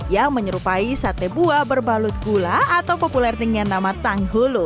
yang menyerupai sate buah berbalut gula atau populer dengan nama tanghulu